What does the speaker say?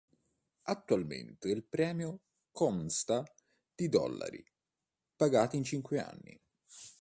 Attualmente il premio consta di dollari, pagati in cinque anni.